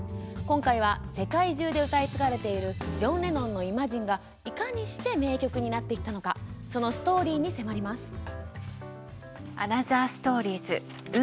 今回は世界中で歌い継がれているジョン・レノンの「イマジン」がいかにして名曲になっていったのかそのストーリーに迫ります。